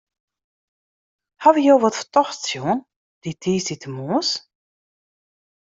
Hawwe jo wat fertochts sjoen dy tiisdeitemoarns?